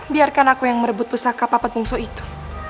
biarkan aku yang merebut pusaka papat tingsu itu